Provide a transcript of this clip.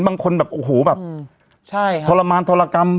บางคนแบบโอ้โหแบบใช่ค่ะทรมานทรกรรม